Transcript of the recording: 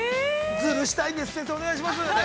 ◆ズルしたいんです、先生、お願いします。